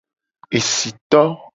Esito.